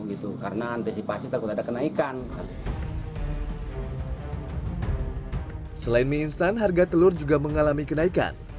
gitu karena antisipasi takut ada kenaikan selain mie instan harga telur juga mengalami kenaikan